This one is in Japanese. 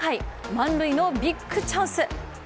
満塁のビッグチャンス。